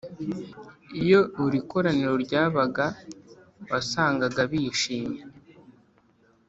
Iyo buri koraniro ryabaga wasangaga bishimye